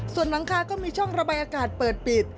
ส่วนหลังคาก็มีช่องระบายอากาศเปิดปิด